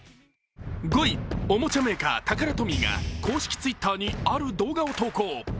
おもちゃメーカータカラトミーが公式Ｔｗｉｔｔｅｒにある動画を投稿。